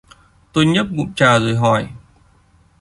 Tôi nhấp ngụm trà rồi hỏi